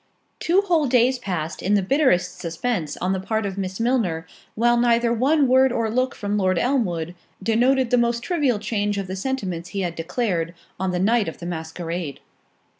Two whole days passed in the bitterest suspense on the part of Miss Milner, while neither one word or look from Lord Elmwood, denoted the most trivial change of the sentiments he had declared, on the night of the masquerade.